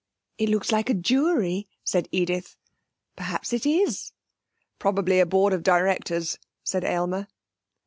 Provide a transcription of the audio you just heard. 'It looks like a jury,' said Edith. 'Perhaps it is.' 'Probably a board of directors,' said Aylmer.